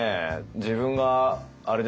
自分があれですね